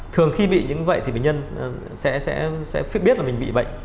thường khi bị những vậy thì bệnh nhân sẽ biết là mình bị bệnh